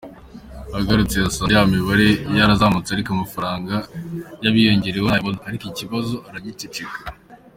Agarutse yasanze ya mibare yarazamutse ariko amafaranga y’abiyongereyeho ntayo abona, ariko ikibazo aragiceceka.